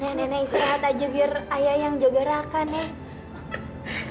nek nenek istirahat aja biar ayah yang jaga raka nek